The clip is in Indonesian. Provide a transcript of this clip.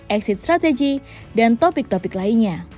exit strategy dan topik topik lainnya